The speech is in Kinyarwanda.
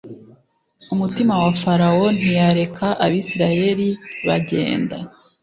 Umutima wa farawo ntiyareka abisirayeli bagenda